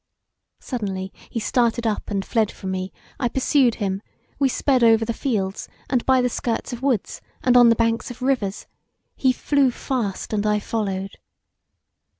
Suddenly he started up and fled from me; I pursued him: we sped over the fields, and by the skirts of woods, and on the banks of rivers; he flew fast and I followed.